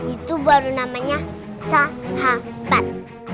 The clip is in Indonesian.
itu baru namanya sahabat